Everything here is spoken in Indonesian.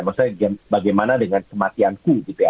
maksudnya bagaimana dengan kematian ku gitu ya